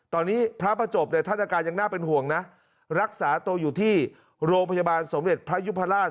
ตอนนี้พระประจบเนี่ยท่านอาการยังน่าเป็นห่วงนะรักษาตัวอยู่ที่โรงพยาบาลสมเด็จพระยุพราช